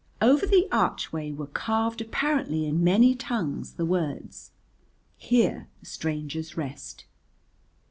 Over the archway were carved apparently in many tongues the words: "Here strangers rest."